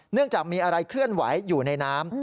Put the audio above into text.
จากมีอะไรเคลื่อนไหวอยู่ในน้ำ